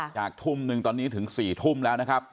จากทุ่มนึงตอนนี้ถึง๔ทุ่มแล้วนะครับ